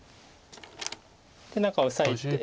で何かオサえて。